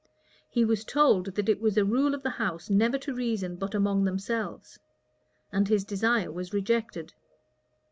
He was told that it was a rule of the house never to reason but among themselves; and his desire was rejected.